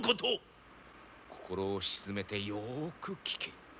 心を鎮めてよく聞け。